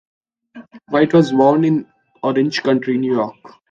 White was born in Orange County, New York.